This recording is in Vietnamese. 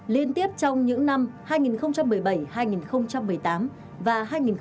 liên tiếp trong những năm hai nghìn một mươi bảy hai nghìn một mươi tám và hai nghìn một mươi tám